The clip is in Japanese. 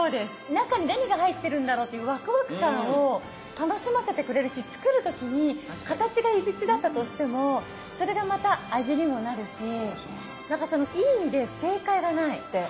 中に何が入ってるんだろうっていうワクワク感を楽しませてくれるし作る時に形がいびつだったとしてもそれがまた味にもなるし何かそのいい意味で正解がないって。